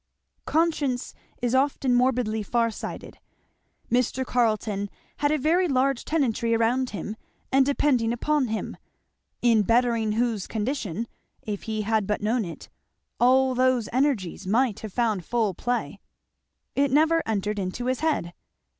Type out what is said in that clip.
Conscience is often morbidly far sighted. Mr. Carleton had a very large tenantry around him and depending upon him, in bettering whose condition, if he had but known it, all those energies might have found full play. It never entered into his head.